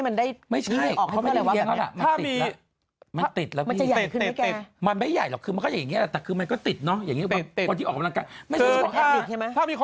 พ่อบอกขอหอยพวกโอ้โฮ